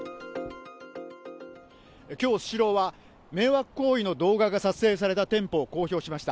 きょう、スシローは迷惑行為の動画が撮影された店舗を公表しました。